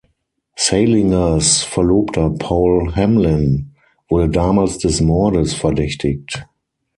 Salingers Verlobter Paul Hamlin wurde damals des Mordes verdächtigt.